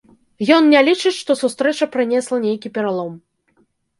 Ён не лічыць, што сустрэча прынесла нейкі пералом.